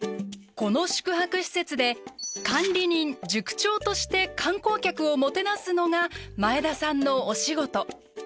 この宿泊施設で管理人「塾長」として観光客をもてなすのが前田さんのお仕事。